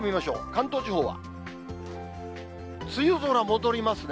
関東地方は、梅雨空戻りますね。